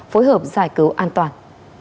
phối hợp giải cứu an toàn